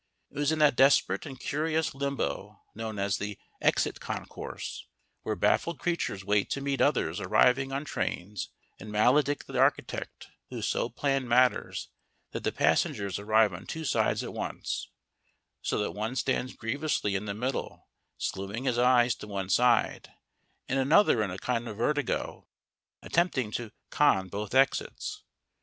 It was in that desperate and curious limbo known as the "exit concourse," where baffled creatures wait to meet others arriving on trains and maledict the architect who so planned matters that the passengers arrive on two sides at once, so that one stands grievously in the middle slewing his eyes to one side and another in a kind of vertigo, attempting to con both exits.